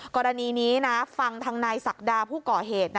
กรณีนี้นะฟังทางนายศักดาผู้ก่อเหตุ